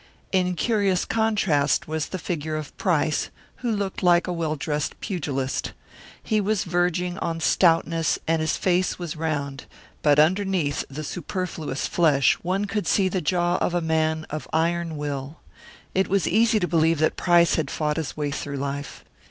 In curious contrast was the figure of Price, who looked like a well dressed pugilist. He was verging on stoutness, and his face was round, but underneath the superfluous flesh one could see the jaw of a man of iron will. It was easy to believe that Price had fought his way through life.